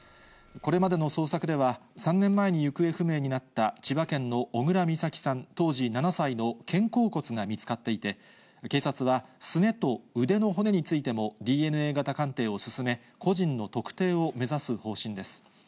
これまでの捜索では、３年前に行方不明になった千葉県の小倉美咲さん、当時７歳の肩甲骨が見つかっていて、警察は、すねと腕の骨についても、ＤＮＡ型鑑定を進め、個人の特定を目指す方針です。